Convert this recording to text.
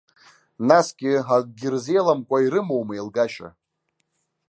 Насгьы, акгьы рзеиламкәа, ирымоума еилгашьа?!